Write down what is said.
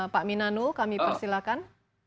pak minanul kami persilakan